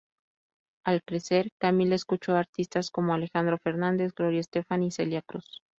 Al crecer, Camila escuchó artistas como Alejandro Fernández, Gloria Estefan y Celia Cruz.